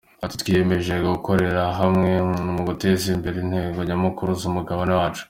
Ati “Twiyemeje gukorera hamwe mu guteza imbere intego nyamukuru z’umugabane wacu.